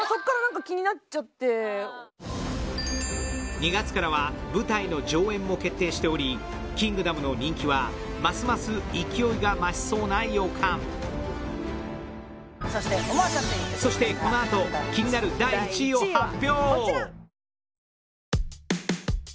２月からは舞台の上演も決定しており「キングダム」の人気はますます勢いが増しそうな予感そしてこのあと気になる第１位を発表！